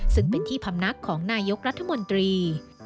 ซึ่งเป็นที่พำนักของนายกรัฐมนตรี